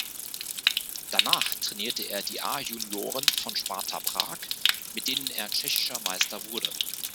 Danach trainierte er die A-Junioren von Sparta Prag, mit denen er tschechischer Meister wurde.